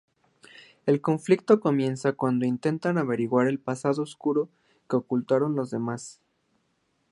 El conflicto comienza cuando intentan averiguar el pasado oscuro que ocultan los demás.